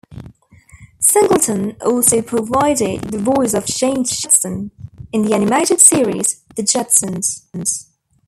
Singleton also provided the voice of Jane Jetson in the animated series "The Jetsons".